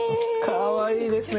かわいいですね。